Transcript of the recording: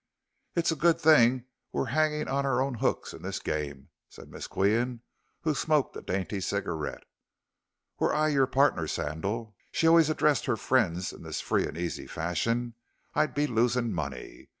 "It's a good thing we're hanging on our own hooks in this game," said Miss Qian, who smoked a dainty cigarette. "Were I your partner, Sandal," she always addressed her friends in this free and easy fashion, "I'd be losing money.